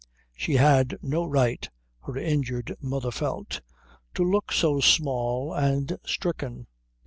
She had no right, her injured mother felt, to look so small and stricken.